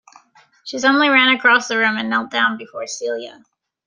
She suddenly ran across the room and knelt down before Celia.